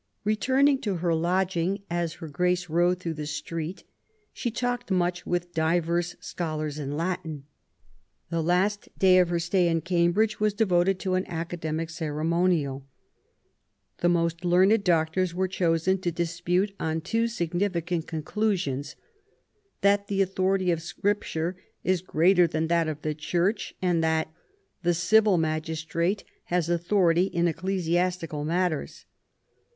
Returning to her lodging, as Her Grace rode through the street, she talked much with divers scholars in Latin ". The last day of her stay in Cambridge was devoted to an academic ceremonial. The most learned doctors were chosen to dispute on two significant conclusions :That the authority of Scripture is greater than that of the Church," and that " The civil magistrate has authority in ecclesias tical matters